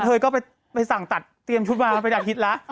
เธอก็ไปสั่งตัดเตรียมชุดมาไปนาทีละ